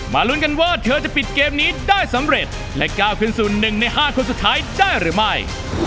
ลุ้นกันว่าเธอจะปิดเกมนี้ได้สำเร็จและก้าวขึ้นสู่๑ใน๕คนสุดท้ายได้หรือไม่